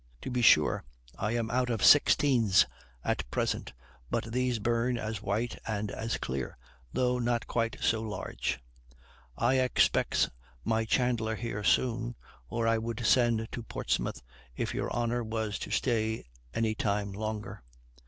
To be sure I am out of sixteens at present, but these burn as white and as clear, though not quite so large. I expects my chandler here soon, or I would send to Portsmouth, if your honor was to stay any time longer.